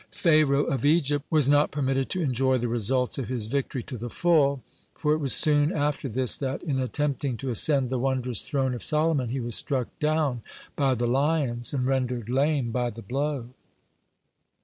(122) Pharaoh of Egypt was not permitted to enjoy the results of his victory to the full, for it was soon after this that, in attempting to ascend the wondrous throne of Solomon, he was stuck down by the lions and rendered lame by the blow.